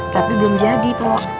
tapi belum jadi pok